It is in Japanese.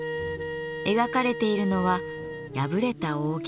描かれているのは破れた扇。